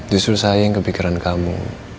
justru saya yang kepikiran kamu